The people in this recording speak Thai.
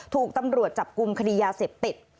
ถูกตำรวจจับกลุ่มคดียาเสพติด